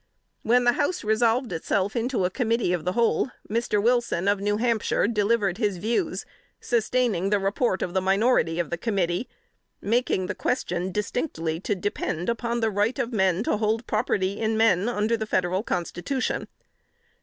When the House resolved itself into committee of the whole, Mr. Wilson, of New Hampshire, delivered his views, sustaining the report of the minority of the committee; making the question distinctly to depend upon the right of men to hold property in men, under the Federal Constitution.